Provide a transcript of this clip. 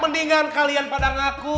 mendingan kalian pada ngaku